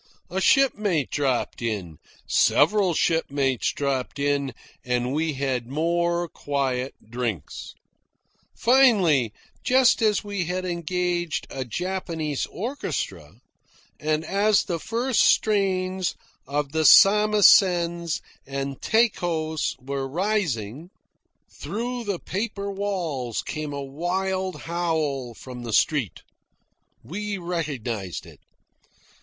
A shipmate dropped in, several shipmates dropped in, and we had more quiet drinks. Finally, just as we had engaged a Japanese orchestra, and as the first strains of the samisens and taikos were rising, through the paper walls came a wild howl from the street. We recognised it.